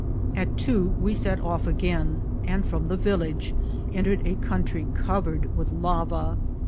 At two we set off again, and from the village entered a country covered with lava.